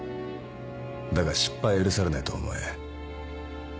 だが失敗は許されないと思え。